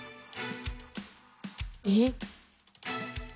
えっ？